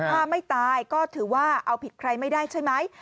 ถ้าไม่ตายก็ถือว่าเอาผิดใครไม่ได้ใช่ไหม